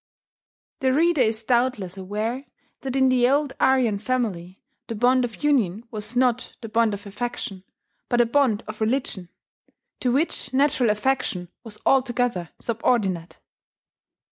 The reader is doubtless aware that in the old Aryan family the bond of union was not the bond of affection, but a bond of religion, to which natural affection was altogether subordinate.